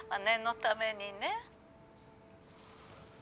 念のためにね。